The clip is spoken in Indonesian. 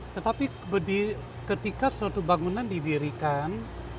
tetapi ketika suatu bangunan didirikan